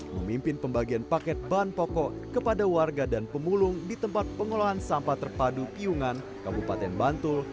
memimpin pembagian paket bahan pokok kepada warga dan pemulung di tempat pengolahan sampah terpadu piungan kabupaten bantul